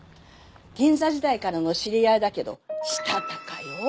銀座時代からの知り合いだけどしたたかよ。